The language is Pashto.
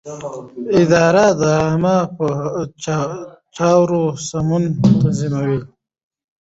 اداره د عامه چارو سمون تضمینوي.